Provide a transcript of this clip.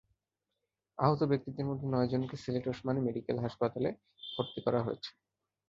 আহত ব্যক্তিদের মধ্যে নয়জনকে সিলেট ওসমানী মেডিকেল কলেজ হাসপাতালে ভর্তি করা হয়েছে।